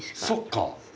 そっか。